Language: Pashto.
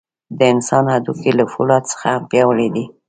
د انسان هډوکي له فولادو څخه هم پیاوړي دي.